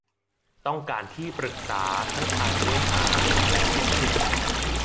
ต้องการที่ปรึกษาทั้งทางเนื้อหาและเทคนิค